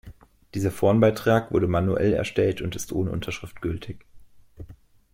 Dieser Forenbeitrag wurde manuell erstellt und ist ohne Unterschrift gültig.